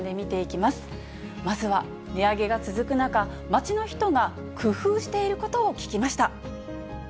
まずは値上げが続く中、街の人が工夫していることを聞きました。